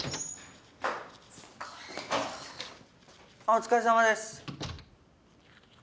お疲れさまです。